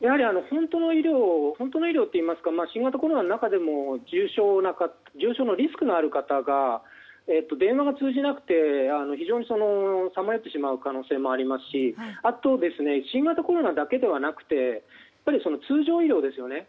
新型コロナの中でも重症のリスクのある方が電話が通じなくて非常にさまよってしまう可能性がありますしあと新型コロナだけではなく通常医療ですね。